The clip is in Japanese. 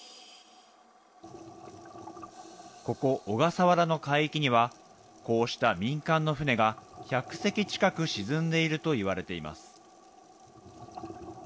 ここ、小笠原の海域には、こうした民間の船が１００隻近く沈んでいるといわれています。